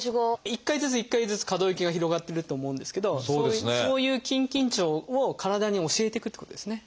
一回ずつ一回ずつ可動域が広がってると思うんですけどそういう筋緊張を体に教えていくってことですね。